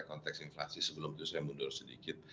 konteks inflasi sebelum itu saya mundur sedikit